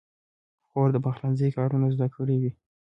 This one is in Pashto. خور د پخلنځي کارونه زده کړي وي.